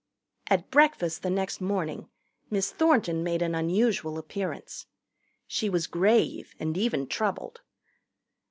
At breakfast the next morning Miss Thornton made an unusual appearance. She was grave and even troubled.